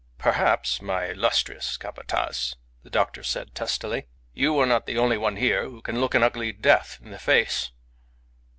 "Perhaps, my illustrious Capataz," the doctor said, testily. "You are not the only one here who can look an ugly death in the face."